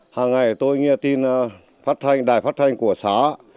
hàng ngày tôi nghe tin đài phát thanh của xã